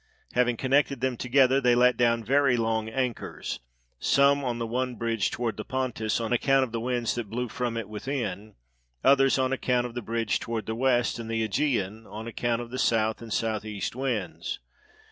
Having con nected them together, they let down very long anchors, some on the one bridge toward the Pontus, on account of the winds that blew from it within; others on the other bridge toward the west and the /Egean, on account of the south and southeast winds.